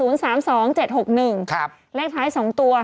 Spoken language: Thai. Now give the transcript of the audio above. เรียกด้านท้าย๒ตัว๕๗